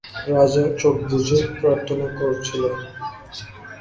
রাজা চোখ বুঁজে প্রার্থনা করছিলেন।